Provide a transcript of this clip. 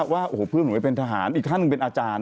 ว่าเพื่อนหนุ่มเป็นทหารอีกครั้งหนึ่งเป็นอาจารย์